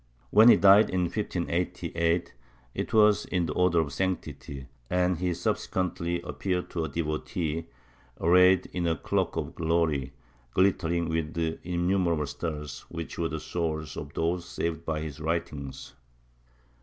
AVhen he died, in 15SS, it was in the odor of sanctity, and he subsequently appeared to a devotee arrayed in a cloak of glory, glittering with innumerable stars, which were the souls of those saved by his writings.